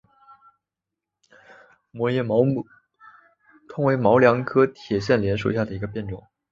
膜叶毛木通为毛茛科铁线莲属下的一个变种。